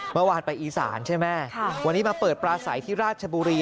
เมื่อวานไปอีสานใช่ไหมวันนี้มาเปิดปลาใสที่ราชบุรี